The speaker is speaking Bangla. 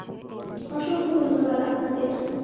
অসংখ্য ধন্যবাদ আপনাদের!